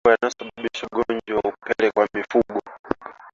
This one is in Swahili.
Mambo yanayosababisha ugonjwa wa upele kwa mifugo